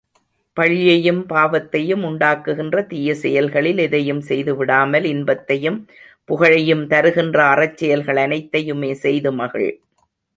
பழியையும் பாவத்தையும் உண்டாக்குகின்ற தீயசெயல்களில் எதையும் செய்துவிடாமல், இன்பத்தையும் புகழையும் தருகின்ற அறச்செயல்கள் அனைத்தையுமே செய்து மகிழ்.